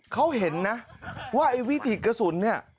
เขาเห็นนะว่าไอ้วิถีกระสุนเนี่ย